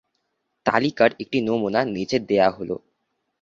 তালিকার একটি নমুনা নিচে দেয়া হল।